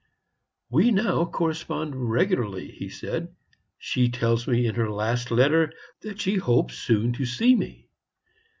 "We now correspond regularly," he said. "She tells me in her last letter that she hopes soon to see me.